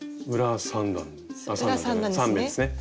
裏３目ですね。